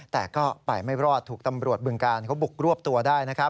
แต่ก็ไปไม่รอดถูกตำรวจบึงการบุกรวบตัวได้